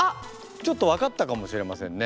ちょっと分かったかもしれませんね。